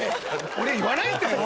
俺言わないんだよ？